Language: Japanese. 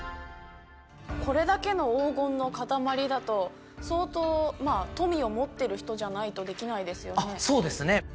これだけの黄金の塊だと相当富を持ってる人じゃないとできないですよね。